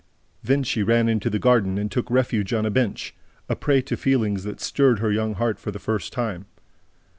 Then she ran into the garden and took refuge on a bench, a prey to feelings that stirred her young heart for the first time.